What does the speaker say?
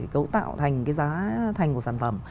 cấu tạo thành cái giá thành của sản phẩm